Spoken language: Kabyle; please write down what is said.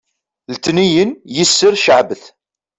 letniyen yesser ceɛbet